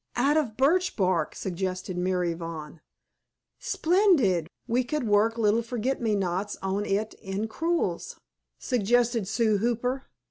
"Out of birch bark," suggested Mary Vaughn. "Splendid! We could work little blue forget me nots on it in crewels," suggested Sue Hooper.